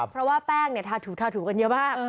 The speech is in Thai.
เพราะว่าแป้งทาถูกทาถูกันเยอะมาก